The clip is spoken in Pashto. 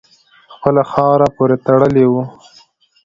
خپله خاوره پوري تړلی وو.